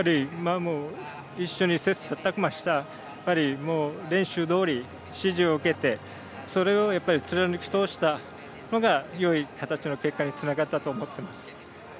一緒に切さたく磨した練習どおり、指示を受けてそれを貫き通したのがいい形の結果につながったと思っています。